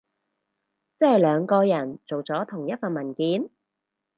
即係兩個人做咗同一份文件？